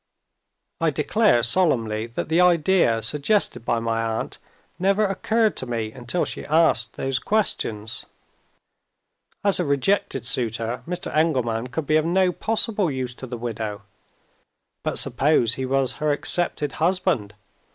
I declare solemnly that the idea suggested by my aunt never occurred to me until she asked those questions. As a rejected suitor, Mr. Engelman could be of no possible use to the widow. But suppose he was her accepted husband?